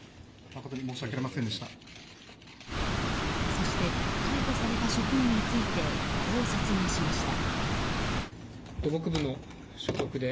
そして逮捕された職員についてこう説明しました。